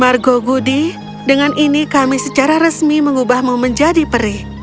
margo gudi dengan ini kami secara resmi mengubahmu menjadi perih